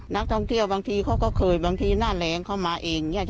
นักท่องเที่ยวบางทีเขาก็เคยบางทีหน้าแรงเข้ามาเอง